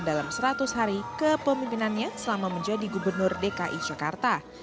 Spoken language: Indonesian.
dalam seratus hari kepemimpinannya selama menjadi gubernur dki jakarta